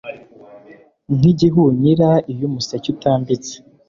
Nkigihunyira iyo umuseke utambitse